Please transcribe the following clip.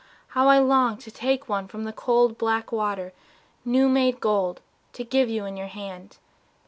How I long to take One from the cold black water new made gold To give you in your hand!